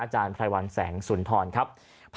อาจารย์ไพรวัลแสงสุนทรครับ